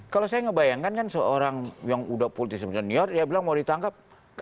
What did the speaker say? kalau saya ngebayangkan kan seorang yang udah politis senior dia bilang mau ditangkap